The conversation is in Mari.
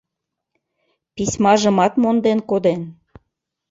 Письмажымат монден коден...